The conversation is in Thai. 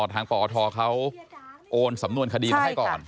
ปอทเขาโอนสำนวนคดีมาให้ก่อน